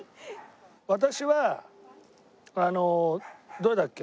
私はあのどれだっけ？